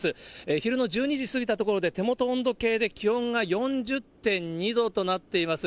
昼の１２時過ぎたところで、手元温度計で気温が４０．２度となっています。